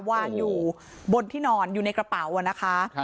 วางอยู่บนที่นอนอยู่ในกระเป๋านะคะ